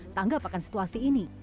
tanggap akan situasi ini